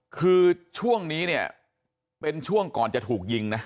คือช่วงนี้เนี่ยเป็นช่วงก่อนจะถูกยิงนะ